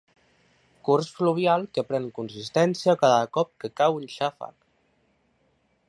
Curs fluvial que pren consistència cada cop que cau un xàfec.